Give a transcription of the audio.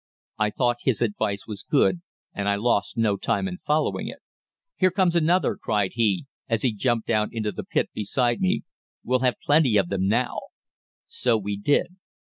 "I thought his advice was good, and I lost no time in following it. "'Here comes another!' cried he, as he jumped down into the pit beside me. 'We'll have plenty of them now.' "So we did.